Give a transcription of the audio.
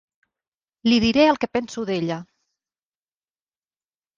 Li diré el que penso d'ella!